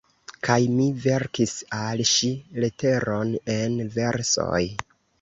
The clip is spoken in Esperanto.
Kaj mi verkis al ŝi leteron en versoj».